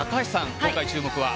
今回の注目は。